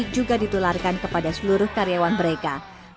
juga ditularkan kepada seluruh karyawan mereka